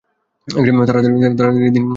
তারাতাড়ি দিন মদের দোকান বন্ধ হয়ে যাবে।